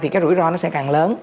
thì cái rủi ro nó sẽ càng lớn